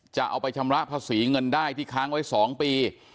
จะเอาไปชำระภาษีเงินได้ที่ค้างไว้๒ปี